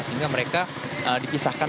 sehingga mereka dipindahkan